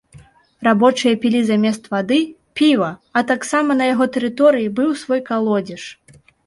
Рабочыя пілі замест вады, піва, а таксама на яго тэрыторыі быў свой калодзеж.